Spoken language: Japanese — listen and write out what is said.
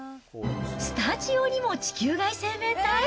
スタジオにも地球外生命体？